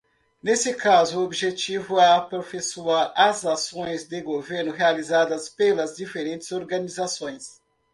Neste caso, o objetivo é aperfeiçoar as ações de governo realizadas pelas diferentes organizações.